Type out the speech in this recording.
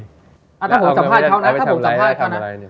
ถ้าผมสัมภาษณ์เขานะถ้าผมสัมภาษณ์เขานะ